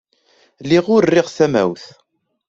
Lliɣ ur rriɣ tamawt.